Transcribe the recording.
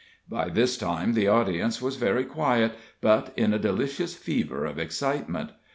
By this time the audience was very quiet, but in a delicious fever of excitement.